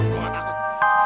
gue gak takut